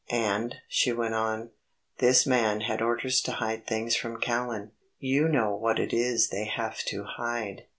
"And," she went on, "this man had orders to hide things from Callan; you know what it is they have to hide.